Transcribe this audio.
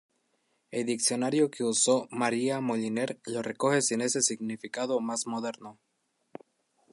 El diccionario de uso de María Moliner lo recoge sin ese significado más moderno.